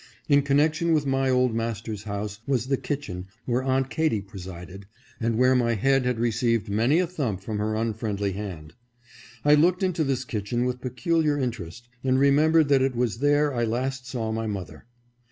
In connection with my old master's house was the kitchen where Aunt Katy presided, and where my head had received many a thump from her unfriendly hand. I looked into this kitchen with peculiar interest, and remembered that it was there I last saw my mother.